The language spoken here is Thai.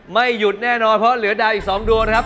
ไม่หยุดแน่นอนเพราะเหลือดาวอีก๒ดวงนะครับ